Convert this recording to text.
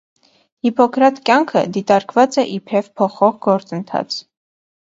Հիփոքրաթ կեանքը դիտարկած է իբրեւ փոխուող գործընթաց։